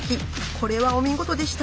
これはお見事でした！